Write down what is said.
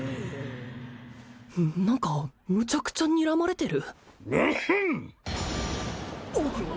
何かむちゃくちゃにらまれてる？